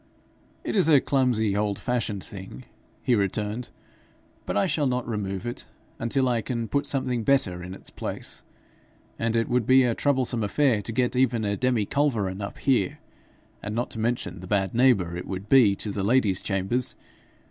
'It is a clumsy old fashioned thing,' he returned, 'but I shall not remove it until I can put something better in its place; and it would be a troublesome affair to get even a demiculverin up here, not to mention the bad neighbour it would be to the ladies'chambers.